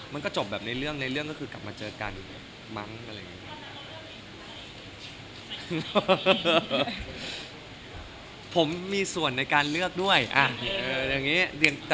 มันก็จบแบบในเรื่องในเรื่องก็คือกลับมาเจอกันอีกเนี่ย